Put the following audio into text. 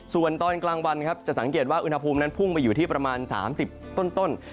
ส่วนตอนกลางวันครับจะสังเกตว่าอุณหภูมินั้นพุ่งไปอยู่ที่ประมาณ๓๐ต้น